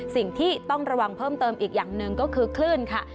สิ่งที่ต้องระวังเพิ่มเติมอีกอย่างหนึ่งก็คือคลื่นค่ะ